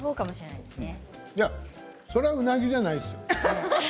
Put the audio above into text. そりゃうなぎじゃないですよ。